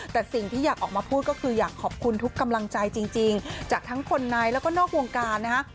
แต่สิ่งที่อยากออกมาพูดก็คืออยากขอบคุณทุกกำลังใจจริงจากทั้งคนในแล้วก็นอกวงการนะฮะ